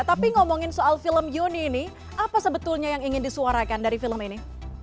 tapi ngomongin soal film yuni ini apa sebetulnya yang ingin disuarakan dari film ini